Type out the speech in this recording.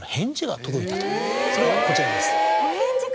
それがこちらです。